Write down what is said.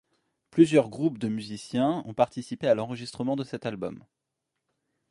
Plusieurs groupes de musiciens ont participé à l'enregistrement de cet album.